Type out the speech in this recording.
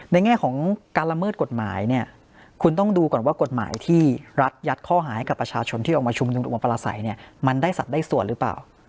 แง่ของการละเมิดกฎหมายเนี่ยคุณต้องดูก่อนว่ากฎหมายที่รัฐยัดข้อหาให้กับประชาชนที่ออกมาชุมนุมประสัยเนี่ยมันได้สัตว์ได้ส่วนหรือเปล่า